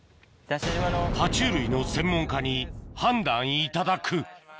爬虫類の専門家に判断いただく